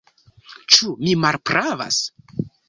Ĉu mi malpravas?